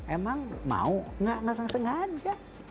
emang mau enggak sengaja